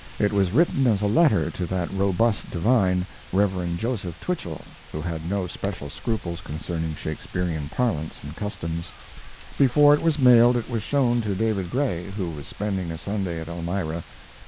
It was written as a letter to that robust divine, Rev. Joseph Twichell, who had no special scruples concerning Shakespearian parlance and customs. Before it was mailed it was shown to David Gray, who was spending a Sunday at Elmira.